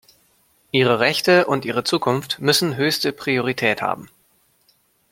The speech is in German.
Ihre Rechte und ihre Zukunft müssen höchste Priorität haben.